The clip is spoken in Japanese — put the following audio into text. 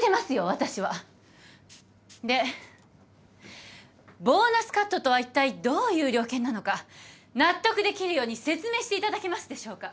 私は！でボーナスカットとはいったいどういう了見なのか納得できるように説明していただけますでしょうか？